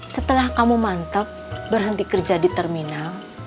setelah kamu mantap berhenti kerja di terminal